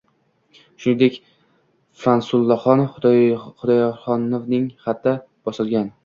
Shuningdek, Fansurulloxon Xudoyorxonovning xati bosilgan.